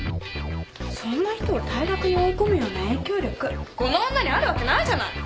そんな人を退学に追い込むような影響力この女にあるわけないじゃない。